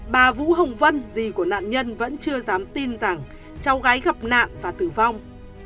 bà vũ hồng vân gì của nạn nhân vẫn chưa dám tin rằng cháu gái gặp nạn và tử vong